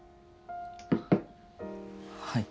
はい。